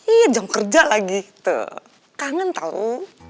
iya jam kerja lagi kangen tau